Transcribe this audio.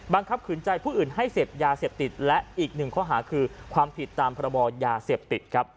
ขืนใจผู้อื่นให้เสพยาเสพติดและอีกหนึ่งข้อหาคือความผิดตามพระบอยาเสพติดครับ